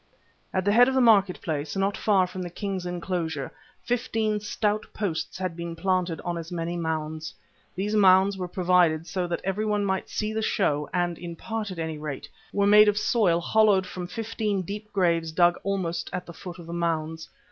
At the head of the market place, not far from the king's enclosure, fifteen stout posts had been planted on as many mounds. These mounds were provided so that everyone might see the show and, in part at any rate, were made of soil hollowed from fifteen deep graves dug almost at the foot of the mounds.